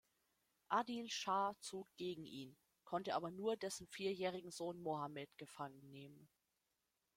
Adil Schah zog gegen ihn, konnte aber nur dessen vierjährigen Sohn Mohammed gefangen nehmen.